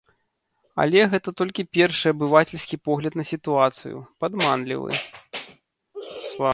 Але гэта толькі першы абывацельскі погляд на сітуацыю, падманлівы.